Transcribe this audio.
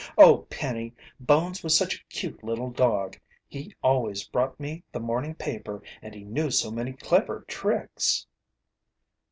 Oh, Penny, Bones was such a cute little dog. He always brought me the morning paper, and he knew so many clever tricks."